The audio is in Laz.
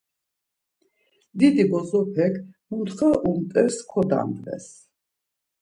Didi bozopek muntxa unt̆es kodandves.